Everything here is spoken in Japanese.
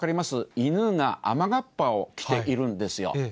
犬が雨がっぱを着ているんですよ。